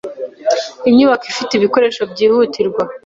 Inyubako ifite ibikoresho byihutirwa.